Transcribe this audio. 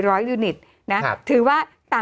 โอเคโอเคโอเค